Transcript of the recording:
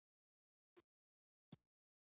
د سرحدي زون مېلمستون ته ورشئ.